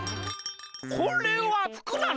これはふくなの？